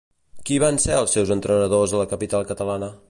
Qui van ser els seus entrenadors a la capital catalana?